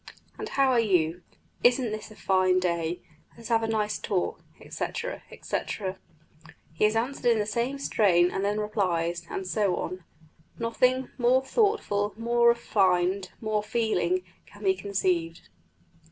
'And how are you? Isn't this a fine day? Let us have a nice talk,' etc., etc. He is answered in the same strain, and then replies, and so on. Nothing more thoughtful, more refined, more feeling, can be conceived."